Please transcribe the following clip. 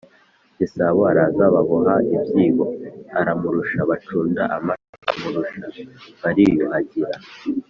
gisabo, araza baboha ibyibo aramurusha, bacunda amata aramurusha, bariyuhagira